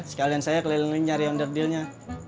sekalian saya keliling nyari under dealnya